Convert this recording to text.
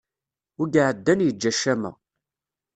Wi iɛaddan yeǧǧa ccama.